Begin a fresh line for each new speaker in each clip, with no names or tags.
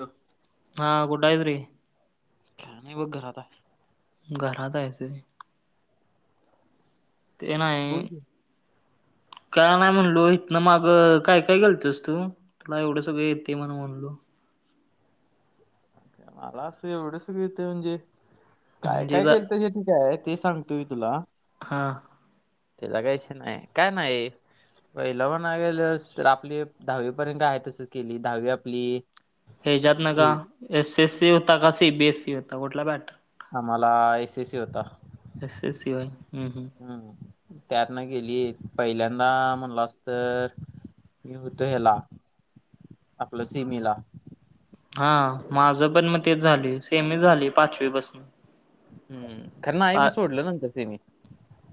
हो [inaudible]
हा, कुठ हायस रे
मी बघ घरात आहे
घरात आहेस व्हय ते नाही
बोल की
काय नाही म्हणलो इथ ना माग काय काय घालतोस तु तुला एवढ सगळंश येतय म्हण म्हणलो
मला अस एवढ सगळ येतय म्हणजे काय
म्हणजे
काय
ज
केलत हे काय ते सांग तोय तुला
हां
त्याला काय विषय नाय काय नाही पहिला मनाय गेलास तर आपली दहावीपर्यंत आहे तसच केली दहावी आपली
हेच्यात ना का
हे,
एस एस सी होता का सी बीएस सी होता कुठला पॅटर्न
आम्हाला एस सी सी होता
एस एस सी होय
हम्म त्यात ना गेलीत पहिल्यांदा म्हणलास तर मी होतो याला आपल सेमीला
हां माझ पण मग तेच झालय सेमी झालय पाचवी पासन
हम्म, खन नाही मी सोडल नंतर सेमी त्यांनी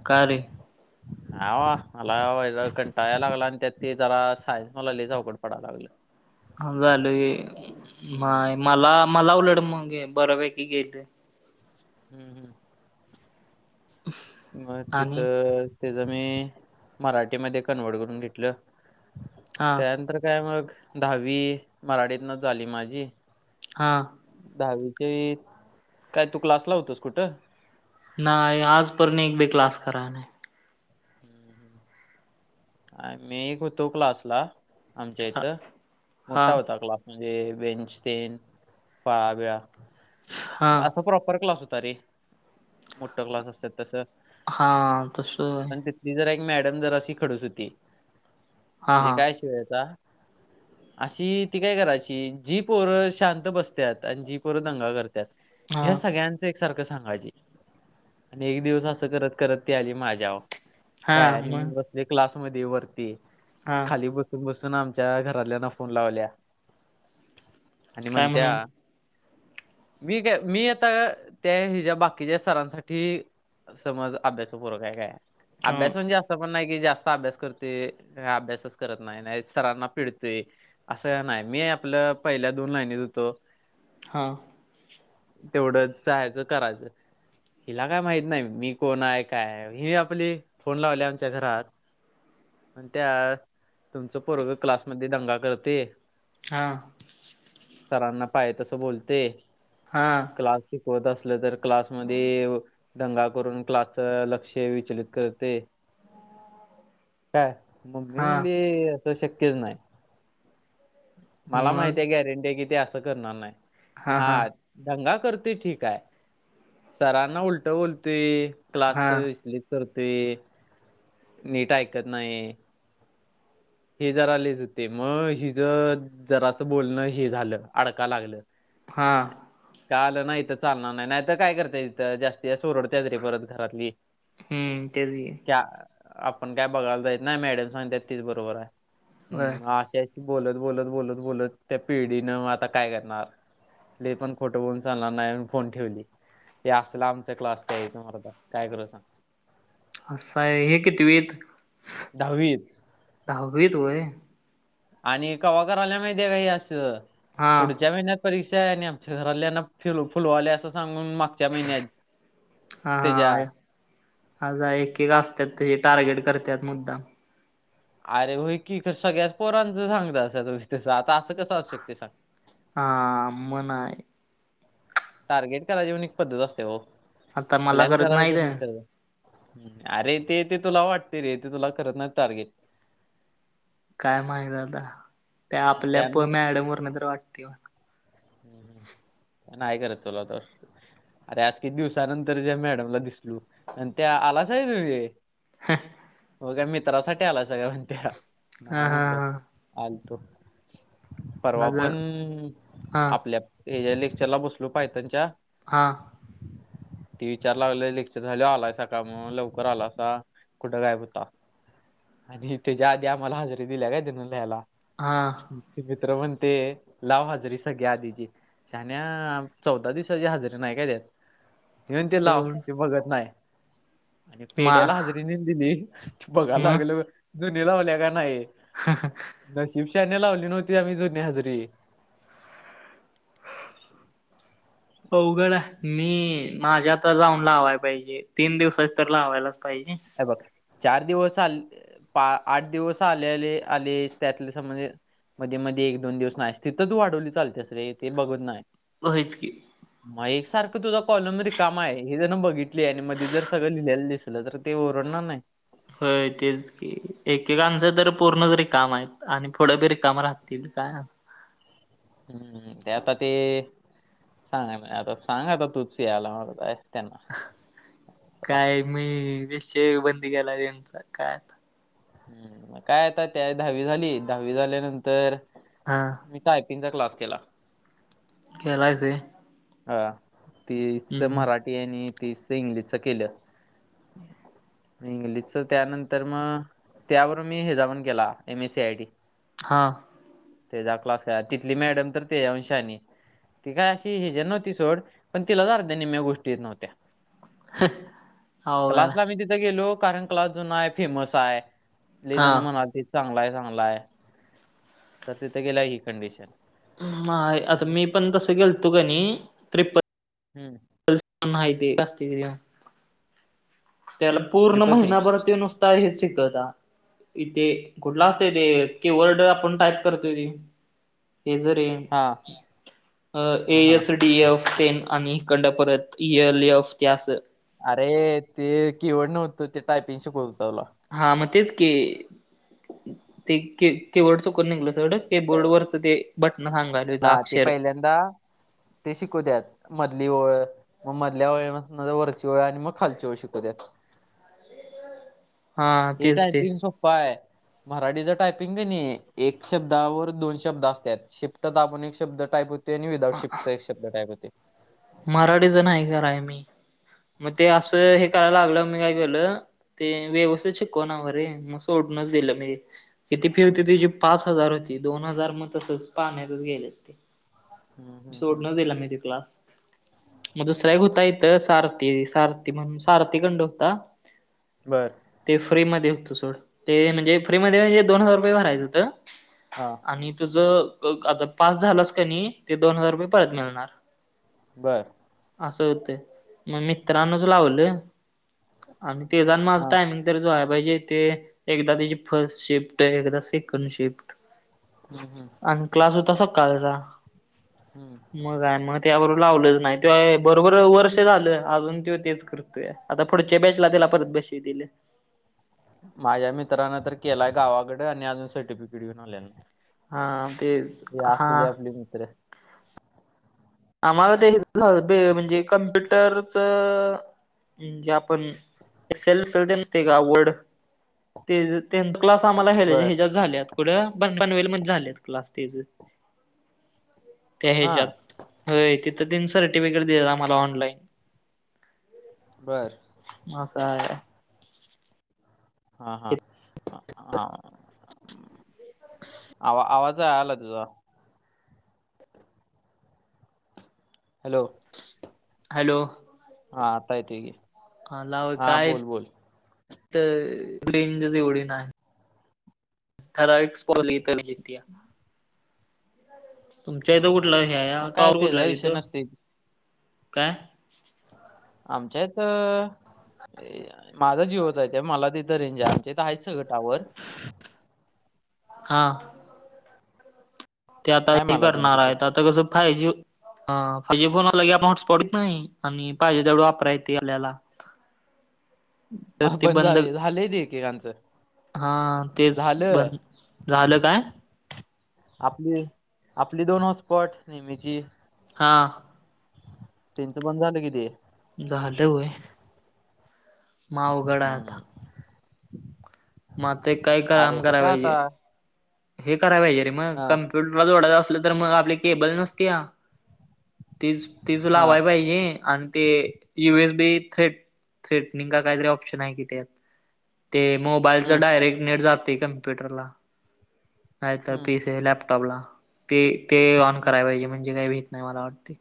का रे
हा वा, मला व कंटाळ याय लागला आणि त्यात ते जरा सायन्स मला लयच आवघड पडायला लागल
हा झालय म
हम्म
मला मला उलट मग बऱ्यापैकी गेल
हम्म हम्म मग तिथ
आणि
त्याच मी मराठीमध्ये कन्व्हर्ट करून घेतल
हा
त्यानंतर काय मग दहावी मराठीत न च झाली माझी
हां
दहावीचे काय तु क्लास ला होतास कुठ
नाही आज पर्यंत एक बी क्लास कराय नाही
हम्म, मी एक होतो क्लास ला आमच्या इथ
हा
मोठा होता क्लास म्हणजे बेंचतेन फळाबिळा
हा
असा प्राॅपर क्लास होता रे मोठ्ठा क्लास असतात तस
हां, तस
तिथली जरा एक मॅडम जर अशी खडुस होती म्हणजे काय विषय व्हायचा
ह [inaudible]
अशी ती काय करायची जी पोरं शांत बसत्यात आणि जी पोर दंगा करत्यात- ह्या
हा
सगळ्यां एक सारख सांगायची आणि एक दिवस अस करत करत ती आली माझ्यावर काय,
हा
आणि मी
मग
बसलोय क्लासमध्ये वरती,
हा
खाली बस बसून आमच्या घरतल्याना फोन लावल्या, आणि
काय
म्हणत्या
[inaudible]
मी काय, मी आता त्या हिच्या् बाकीच्या सरांसाठी समज अभ्यासु पोरगं हाय काय,
हा
अभ्यास म्हणजे अस अस पण नाही की, जास्त अभ्यास करतय, अभ्यासच करत नाही, नाही सरांना पिडतय असं नाही, मी आपलं पहिल्या दोन लाईनीत हुतो
हां.
तेवढंच जायचं करायचं. हिला काय माहित नाही, मी कोण आहे काय हाय, हे आप आपले फोन लावल्या आमच्या घरात मणत्या तुमच पोरगं क्लासमध्ये दंगा करतय
हां,
सरांना पाय तसं बोलतेय
हां,
क्लास शिकवत असलं तर क्लासमध्ये दंगा करून क्लासच लक्ष विचलित करते, काय मम्मी
हा
म्हणली हे असं शक्यच नाही. मला
मग
माहिती ये, गॅरंटी ते असं करणार नाही, हा. दंगा करते ठीक हाय, सरांना उलंट बोलतंय
हा
क्लासच विचलित करते, नीट ऐकत नाही हे जरा लैच होते, मग हिच जरा असं बोलणं हे झालं अडका लागलं.
हा
अ का आलं नाही इथं चालणार नाही, नाही तर काय करता इथं जास्त ओरडत्यात रे परत घरातली.
हम्म, ते बी ये.
आपण काय बघायला जाईत नाय, मॅडम सांगतात तीच बरोबर आहे,
होय
हम्म, म अशी-अशी बोलत, बोलत, बोलत, बोलत त्या पिढीनं आता काय करणार? लैई पण खोटं बोलून चालणार नाही, म फोन ठेवली. ते असलं आमचा क्लासचा एक मुलगा काय करू सांग?
असं ये, कितवीत?
दहावीत.
दहावीत व्हय
आणि हे कव्हा करायल्या माहिती आहे, का असं
हा
पुढच्या महिन्यात परीक्षा ये आमच्या घरातल्याना फिरवा फुलवाले असं सांगून म
हा, हाजा एक -एक असत्या ते टार्गेट करत्यात मुद्दाम.
अरे होईकी क सगळ्याच पोरांचं सांगतं तुही त्याचं आता असं कसं असू शक ते सांग?
ह म नाय
टार्गेट करायची पण एक पद्धत असते ओ,
आता मला
प्लॅन
करत
करायच
नाहीत
तर [unintelligible] अरे ते, ते तुला वाटते रे, ते तुला करत नाही टार्गेट
काय माहित आता, ते आपल्या
त्यानं
पण एड वरन तर वाटतील ओ
हम्, नाही करत चला आता. अरे आज किती दिवसानंतर त्या मॅडमला दिसलू, म्हणत्या आलासा व्हय रै.
हे,
तुझ्या मित्रासाठी आलास का असं म्हणत्या, नाही
हा हा
म्हणलो
हा
आलंतो. परवा
माझ
पण
हा
आपल्या हे लेक्चरला बसलो, पायथानंच्या
हां
तेी विचार लागले लेक्चर झाले आलायसा का म्हणून लवकर आला असा कुठं गायब होता. आणि त्याच्या आधी आम्हाला हजेरी दिल्या काय त्यािना लिहायला
हा
मित्र म्हण ते लाव हजरी. सगळ्या आधीची शण्या चौदा दिवसाची हजरीे नाही का त्यात ह्यो म्हणते लाव
एवढ
ती बघत नाही. आणि
मा
पेढ्याला हजरी ने दिली बघाला
म
लागल जुनी लावल्या का नाही.
हा [unintelligible]
नशिब शान्या लावली नव्हती आम्ही जुनी हजेरी.
अवघड आहे मी माझ्यात आता जाऊन लावाय पाहिजे तीन दिवसाच तर लावायलाच पाहिजे.
हे बघ चार दिवस आलेले पा आठ दिवस आलेले आले त्यातले समजे मध्ये मध्ये एक दोन दिवस नाहीस तिथं तू वाढवली चालतेस रे ते बघत नाही.
होयच की.
मग एक सारखं तुझा कॉलम रिकामा आहे हे जण बघितली आहे आणि मध्ये जर सगळं लिहिलेलं दिसलं तर ते ओरडणार नाही.
होय तेच की एकेकांच तर पूर्ण रिकाम आहेत आणि पुढं बी रिकाम राहतील काय
हम्म ते आता ते सांगा ना आता सांगा आता तुची आला मला काय त्यांना रा
काय मी विषय बंदी केलाय त्यांचा
हम्म मग काय आता त्या दहावी झाली दहावी झाल्यानंतर
हा.
मी टायपिंगचा क्लास केला.
केलायस होय
हा तीस मराठी आणि तीसच इंग्लिशच केलं. इंग्लिशच त्यानंतर मग त्यावरून मी हेचा पण केला M S C I T
हां.
तेचा क्लास केला तिथली मॅडम तर तेज्या हून शानी ती काय अशी ह्याच्या नव्हती सोड पण तिलाच अर्द्या निम्या गोष्टी येत नव्हत्या.
अवघड
क्लासला
आहे
मी तिथे गेलो कारण क्लास जुना हाय फेमस हाय. लई जन
हा
म्हणालतीत चांगला हाय चांगला हाय तर तिथ गेलाय ही कंडिशन.
हम्म, नाय आता मी पण तसं गेलतो कणी त्रिप्प
हम्म
[inaudible] त्याला पूर्ण
ट्रिपल सी
महिनाभर त्यो नुसता हेच शिकता इथे कुठला असतय ते किवर्ड आपण टाईप करतोय ते हे जरी
हा
अ ए
हा हा.
एस [inaudible] डीफ तेन आणि कंड परतल एल एफ ते अस
अरे ते किवर्ड नव्हत ते टायपिंग शिकवत होता तो
हां मग तेच की ती क कीबोर्ड चुकून निघल तेढं कीबोर्ड वरच ते बटन सांगा
हा ते पहिल्या ते शिकवतात मधली ओळ, मग मधल्या ओळी पसन वरची ओळ आणि मग खालची ओळ शिकवत्यात
हा
हे
तेच ते
टायपिंग होय, मराठीच टायपिंग किनय एक शब्दावर दोन शब्द असत्यात शि फ्ट दाबून एक शब्द टाईप होतय आणि विदाउट शिफ्टचा एक शब्द टाईप होतय.
मराठीच नाही कराय, मी मग ते असं हे करायला लागलं मी काय केलं, ते व्यवस्थित शिकवणारे मग सोडूनच दिलं मी, किती फी होती तेजी पाच हजार होती. दोन हजार मग तसंच पाण्यातच गेले ते. सोडूनच दिला मी ती क्लास, मग दुसऱ्या एक होता इथं, सारथी, सारथी म्हणून सारथी कंड होता.
बरं!
ते फ्री मध्ये होतं सोड, ते म्हणजे फ्री मध्ये म्हणजे दोन हजार रुपये भरायचं होत.
हा!
आणि तुझं, आता पास झालास का नाय, ते दोन हजार रुपये परत मिळणार.
बरं!
असं होतं! मग, मित्रांनच लावलं आणि ते जा आणि माझा
हा
टायमिंग तर जुळायं पाहिजे. ते एकदा त्याची फर्स्ट शिफ्ट, तर एकदा सेकंड शिफ्ट.
हम्म, हम्म,
आणि क्लास होता सकाळचा.
हम्म!
मग काय, मग त्याबरोबर लावलच नाही. त्यो बरोबर वर्ष झालं अजून त्यो तेच करत तूय. आता पुढच्या बॅचला त्याला परत बशीवतील.
माझ्या मित्रांन तर केलायं गावाकडं आणि अजून सर्टिफिकेट घेऊन आलेला नाही.
हा, ते,
हे असली आपली मित्र!
आम्हाला ते, ते म्हणजे कम्प्युटर [unintelligible] ते जा तेन क्लास आम्हाला हे
बर
ह्याच्यात झाल्यात. कुठं प पनवेलमध्ये झालेत क्लास तेज, त्या
हा
ह्याच्यात होयं! तिथं तेन सर्टिफिकेट दिल्यात आम्हाला ऑनलाईन.
बरं!
म असं हाय!
हा, हा! हा, आवा आवाज [unintelligible] हॅलो!
हॅलो!
हा! आता येतोय की,
हा ना! आओ
हा
काय
बोल बोल
त रेंजच एवढी नाही. [unintelligible] तुमच्या
हा
इथं
हा
कुठला हे हाया?
मग काय
टॉवर कुठला
त्याचा
आहे
विषय
तिथं?
नसते
काय?
आमच्या इथं माझा जिओचा हाय, त्यामुळं मला तिथं रेंज हाय. हित हाईत सगळं टॉवर
हा! ते आता
आहे
हे
मला रेंज
करणार
इथं
आहेत. आता कसं फायजी हा! फायजी बनवलं की, आपण [unintelligible] नाही आणि पाहिजे तेवढं वापरा येतेयं आपल्याला. [unintelligible] तर
मला
ते
पण
बंद
झालंय, झालंय ती एकेकांचं.
हा तेच
झालं
बंद झालं काय?
आपली आपली दोन हसपॉट नेहमीची.
हा.
त्यांचं बंद झालं की ते.
झालं होय. म अवघड आहे आता.
हम्म
मग ते काय
अरे
काम
ते
कराय
काय आता
पाहिजे. हे कराय पाहिजे रे मग
हा
कम्प्युटरला जोडायचं असलं तर मग आपली केबल नसते या. तीच तीच
हा
लावाय पाहिजे आणि ते युएसबी थ्रेट थ्रेटनिंग का कायतरी ऑप्शन आहे कि त्यात. ते मोबाईलच
हम्म
डायरेक्ट नेट जातंय कम्प्युटरला. नाही तर
हम्म
पीसे लॅपटॉपला ते ते ऑन करायला
हम्म
पाहिजे म्हणजे काही भीत नाही मला वाटते.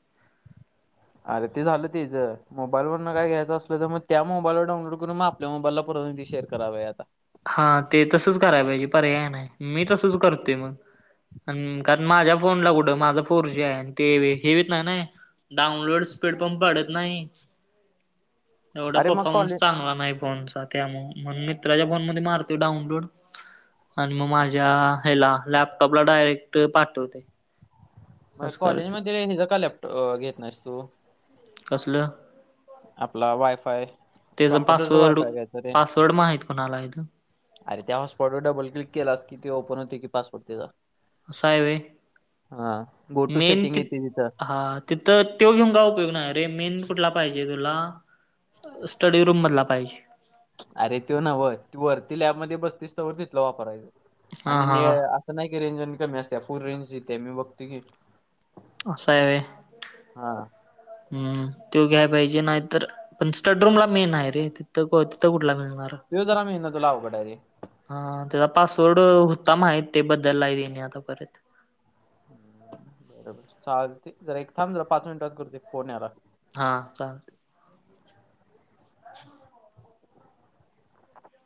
अरे ते झालं तेचं मोबाईल वरन काय घ्यायचं असलं तर मग त्या मोबाईलवर डाउनलोड करून मग आपल्या मोबाईलला परत शेअर करायला पाहिजे आत्ता.
हां ते तसच करायला पाहिजे पर्याय नाही मी तसच करतोय मग. कारण माझ्या फोनला कुठं माझं फोरजी आहे आणि ते हेवीेत नाही ना. डाउनलोड स्पीड पण वाडत नाही. एवढा
अरे मग
परफॉर्मन्स
कॉलेज
चांगला नाही फोनचा त्यामु मण मित्राच्या फोन मध्ये मारतो डाउनलोड. आणि मग माझ्या ह्याला लॅपटॉपला डायरेक्ट पाठवतय.
मग कॉलेजमध्ये हिजा का लॅपटॉप घेत नाहीस तू.
कसलं.
आपला वायफाय
त्याच
कॉम्प्युटरचा
पासवर्ड
वायफाय घ्यायचा रे
पासवर्ड माहित कोणाला हय
अरे त्या हॉ स्पॉटवर डबल क्लिक केलास की ते ओपन होते की पासपर्ट तचा.
असा आहे होय
गो टू
मेन
सेटिंग
ते
येते तिथं
आात तिथं तो घेऊन का उपयोग नाही अरे मेन कुठला पाहिजे तुला. स्टडी रूम मधला पाहिजे.
अरे तो नव तू वरती लॅबमध्ये बसतीस वर वापरायचं
हा
आणि
हा
नाही रेंज आणि कमी असते फुल रेंज देते मी बघतो की.
असा आहे होय
हा
हम्म तो घ्याय पाहिजे नाहीतर पण स्टडरूम ला मेन आहे रे तिथं तिथं कुठला मिळणार.
देव जरा मिळणं तुला अवघड आहे रे.
हा त्याचा पासवर्ड होता माहिती ते बद्दल ला देणे आता परत.
बरोबर चालते जरा एक थांब जरा पाच मिनिटात करते फोन यालाय.
हा चालतय. [inaudible]